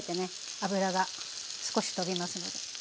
油が少し飛びますので。